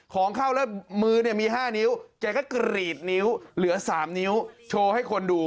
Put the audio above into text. ของเข้าแล้วมือเนี่ยมี๕นิ้วแกก็กรีดนิ้วเหลือ๓นิ้วโชว์ให้คนดู